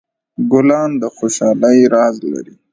ګلان د خوشحالۍ راز لري.